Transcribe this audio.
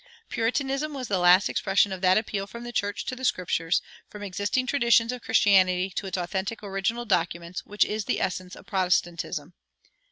Puritanism was the last expression of that appeal from the church to the Scriptures, from existing traditions of Christianity to its authentic original documents, which is the essence of Protestantism.